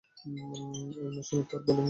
ঐ মৌসুমে তার বোলিং গড়ের অবনমন ঘটে।